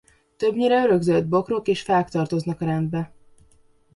Többnyire örökzöld bokrok és fák tartoznak a rendbe.